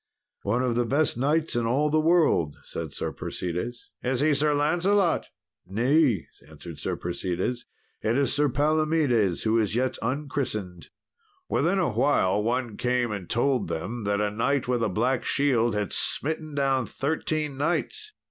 "One of the best knights in all the world," said Sir Persides. "Is he Sir Lancelot?" said Sir Tristram. "Nay," answered Sir Persides, "it is Sir Palomedes, who is yet unchristened." Within a while one came and told them that a knight with a black shield had smitten down thirteen knights.